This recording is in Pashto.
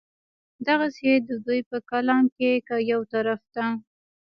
دغسې د دوي پۀ کلام کښې کۀ يو طرف ته